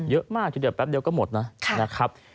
เยอะมากทีเดียวแป๊บเดียวก็หมดนะครับ